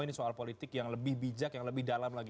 ini soal politik yang lebih bijak yang lebih dalam lagi